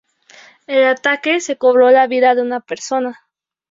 El ataque se cobró la vida de una persona.